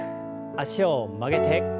脚を曲げて。